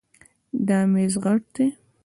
دا میز غټ ده